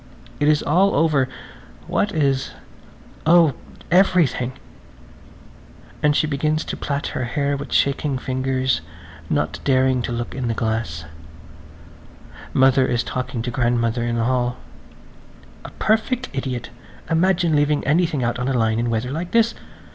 It is all over! What is? Oh, everything! And she begins to plait her hair with shaking fingers, not daring to look in the glass. Mother is talking to grandmother in the hall. "A perfect idiot! Imagine leaving anything out on the line in weather like this.